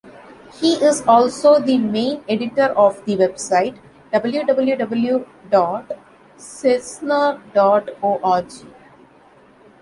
He is also the main editor of the website www dot cesnur dot org.